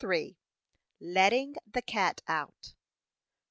LETTING THE CAT OUT.